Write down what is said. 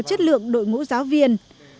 chất lượng đội ngũ giáo viên